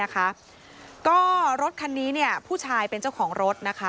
ก็รถคันนี้ผู้ชายเป็นเจ้าของรถนะคะ